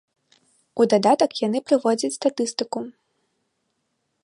У дадатак яны прыводзяць статыстыку.